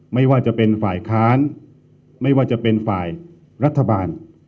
ไม่ว่าจะเป็นฝ่ายค้านไม่ว่าจะเป็นฝ่ายรัฐบาล